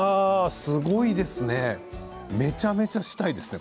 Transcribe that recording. すごいですね。めちゃめちゃしたいですね。